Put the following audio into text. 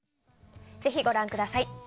ぜひご覧ください。